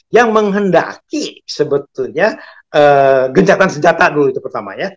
yang menghendaki sebetulnya gencatan senjata dulu itu pertamanya